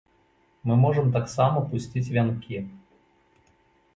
Мы можам таксама пусціць вянкі.